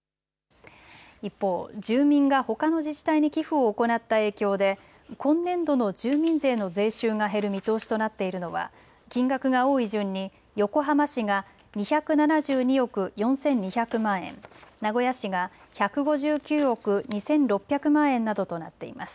一方、住民がほかの自治体に寄付を行った影響で今年度の住民税の税収が減る見通しとなっているのは金額が多い順に横浜市が２７２億４２００万円、名古屋市が１５９億２６００万円などとなっています。